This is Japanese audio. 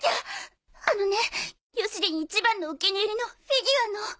あのねヨシりん一番のお気に入りのフィギュアの。